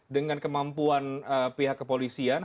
dengan kemampuan pihak kepolisian